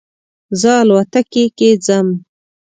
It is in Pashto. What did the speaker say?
زه الوتکې کې ځم